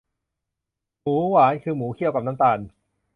หมูหวาน คือหมูเคี่ยวกับน้ำตาล